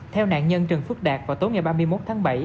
theo nạn nhân trần phước đạt vào tối ngày ba mươi một tháng bảy